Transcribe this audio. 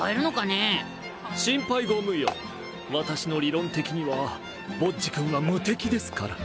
心配ご無用私の理論的にはボッジ君は無敵ですから。